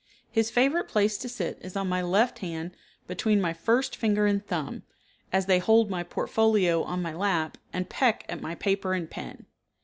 His favorite place to sit is on my left hand between my first finger and thumb, as they hold my portfolio on my lap, and peck at my paper and pen.